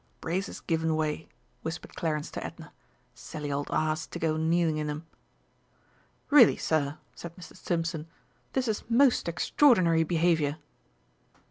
"Braces given way," whispered Clarence to Edna; "silly old ass to go kneeling in 'em!" "Really, sir," said Mr. Stimpson, "this is most extraordinary behaviour."